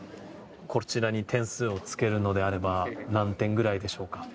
こちらに点数をつけるのであれば何点ぐらいでしょうか。